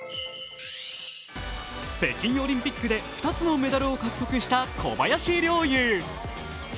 北京オリンピックで２つのメダルを獲得した小林陵侑。